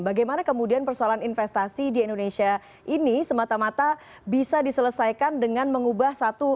bagaimana kemudian persoalan investasi di indonesia ini semata mata bisa diselesaikan dengan mengubah satu